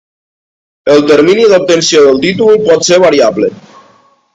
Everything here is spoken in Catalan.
El termini d'obtenció del títol pot ser variable.